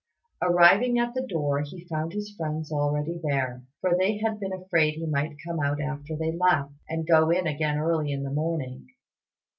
Arriving at the door, he found his friends already there; for they had been afraid he might come out after they left, and go in again early in the morning.